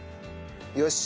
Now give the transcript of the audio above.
よし！